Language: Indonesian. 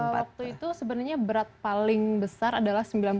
waktu itu sebenarnya berat paling besar adalah sembilan puluh